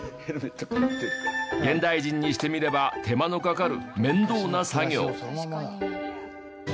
現代人にしてみれば手間のかかる面倒な作業。